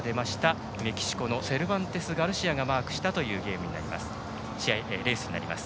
メキシコのセルバンテスガルシアが制したというレースになります。